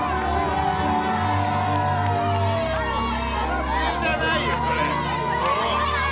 普通じゃないよこれ。